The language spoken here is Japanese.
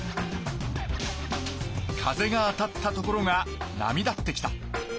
風が当たった所が波立ってきた。